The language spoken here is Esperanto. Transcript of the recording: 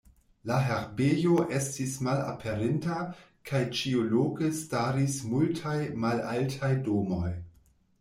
La herbejo estis malaperinta, kaj ĉiuloke staris multaj malaltaj domoj.